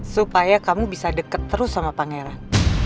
supaya kamu bisa deket terus sama pangeran